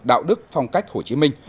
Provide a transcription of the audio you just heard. đạo đức phong cách hồ chí minh